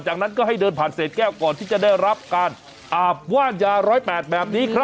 จากนั้นก็ให้เดินผ่านเศษแก้วก่อนที่จะได้รับการอาบว่านยา๑๐๘แบบนี้ครับ